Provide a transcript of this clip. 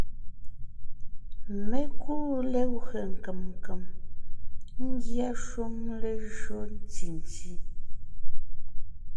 Mé kúu legwé nkèm nkèm ngyɛ́ shúm lejÿo ntí nti;